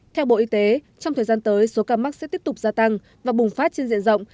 theo bộ y tế trong thời gian tới số ca mắc sẽ tiếp tục gia tăng và bùng phát trên diện rộng